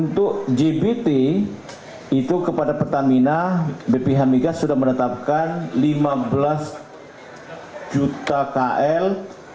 ppt itu kepada pertamina bph migas sudah menetapkan lima belas juta kl lima belas empat ratus empat puluh delapan empat puluh dua